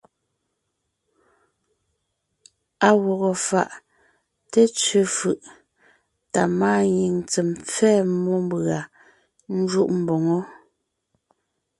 À gwɔgɔ fáʼ té tsẅe fʉʼ tá máanyìŋ tsem pfɛ́ɛ mmó mbʉ̀a ńjúʼ mboŋó.